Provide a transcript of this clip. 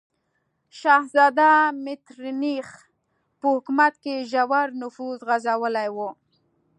شهزاده میترنیخ په حکومت کې ژور نفوذ غځولی و.